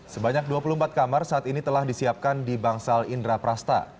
sebanyak dua puluh empat kamar saat ini telah disiapkan di bangsal indra prasta